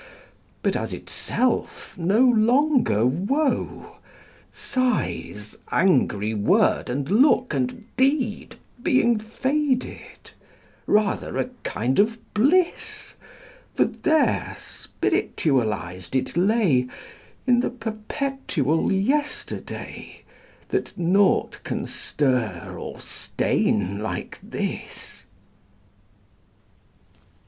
But as itself no longer woe; Sighs, angry word and look and deed Being faded: rather a kind of bliss, For there spiritualized it lay In the perpetual yesterday That naught can stir or stain like this.